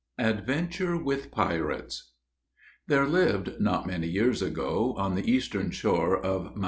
ADVENTURE WITH PIRATES. There lived, not many years ago, on the eastern shore of Mt.